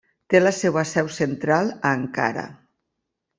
Té la seva seu central a Ankara.